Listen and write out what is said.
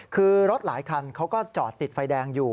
คือรถหลายคันเขาก็จอดติดไฟแดงอยู่